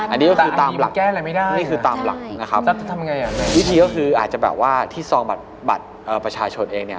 อันนี้ก็คือตามหลักนะครับวิธีก็คืออาจจะแบบว่าที่ซองบัตรประชาชนเองเนี่ย